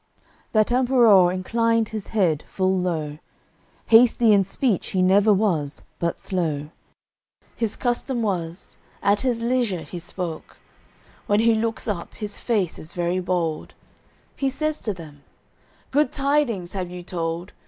AOI. X That Emperour inclined his head full low; Hasty in speech he never was, but slow: His custom was, at his leisure he spoke. When he looks up, his face is very bold, He says to them: "Good tidings have you told.